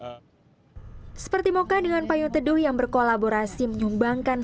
hai seperti moka dengan payung teduh yang berkolaborasi menyumbangkan